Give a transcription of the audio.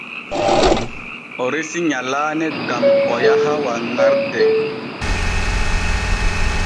O resi nyalaane gam o yaha wanŋarde.